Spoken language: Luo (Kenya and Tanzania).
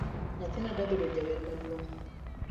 Nyathina dwa bedo jawer maduong